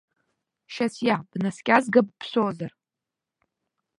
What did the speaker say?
Шьасиа, бнаскьазгап бшәозар?